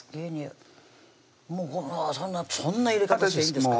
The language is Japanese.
もうそんなそんな入れ方していいんですか？